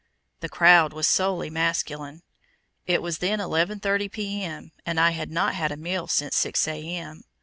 The crowd was solely masculine. It was then 11:30 P.M., and I had not had a meal since 6 A.M.